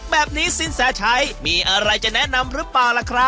แบบนี้สิ้นแสชัยมีอะไรจะแนะนำหรือเปล่า